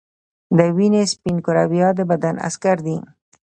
د وینې سپین کرویات د بدن عسکر دي